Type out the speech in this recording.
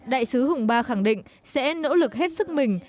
đại sứ hùng ba khẳng định sẽ nỗ lực hết sức mình